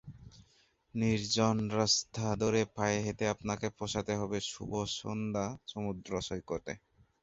নির্জন রাস্তা ধরে পায়ে হেঁটে আপনাকে পৌঁছাতে হবে শুভ সন্ধ্যা সমুদ্র সৈকতে।